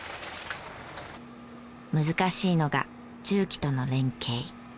難しいのが重機との連携。